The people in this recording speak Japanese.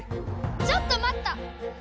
ちょっとまった！